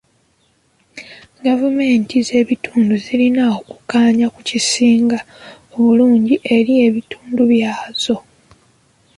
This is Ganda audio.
Gavumenti z'ebitundu zirina okukkaanya ku kisinga obulungi eri ebitundu byazo.